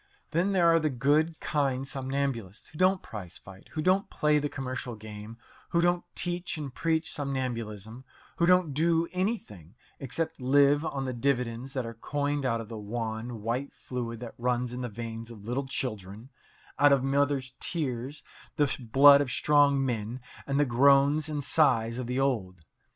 Then there are the good, kind somnambulists who don't prize fight, who don't play the commercial game, who don't teach and preach somnambulism, who don't do anything except live on the dividends that are coined out of the wan, white fluid that runs in the veins of little children, out of mothers' tears, the blood of strong men, and the groans and sighs of the old.